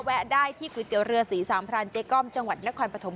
ได้ที่ก๋วยเตี๋ยวเรือสีสามพรานเจ๊ก้อมจังหวัดนครปฐม